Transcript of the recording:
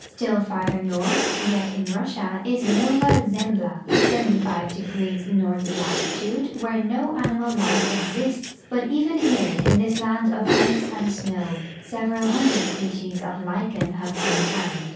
Still farther north, yet in Russia, is Nova Zembla, 75° north latitude, where no animal life exists ; but even here, in this land of ice and snow, several hundred species of lichen have l)een found.